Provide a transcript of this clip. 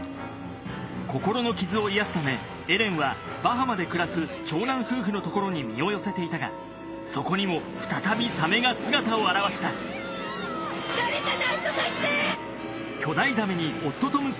心の傷を癒やすためエデンはバハマで暮らす長男夫婦のところに身を寄せていたがそこにも再びサメが姿を現した誰か何とかして！